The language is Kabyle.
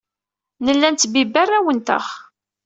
Nella nettbibbi arraw-nteɣ.